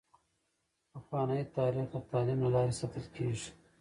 پخوانی تاریخ د تعلیم له لارې ساتل کیږي.